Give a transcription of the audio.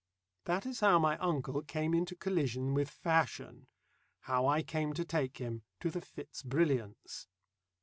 That is how my uncle came into collision with fashion, how I came to take him to the Fitz Brilliants.